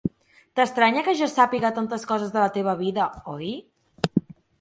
T'estranya que jo sàpiga tantes coses de la teva vida, oi?